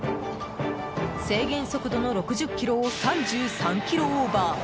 制限速度の６０キロを３３キロオーバー。